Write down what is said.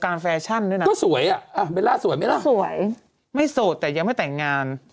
กว่ารางวัลนักแสดงนำหญิงมาหลายที